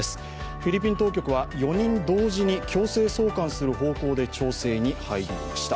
フィリピン当局は４人同時に強制送還する方向で調整に入りました。